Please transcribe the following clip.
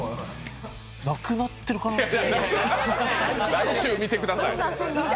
亡くなってる可能性が来週、見てください。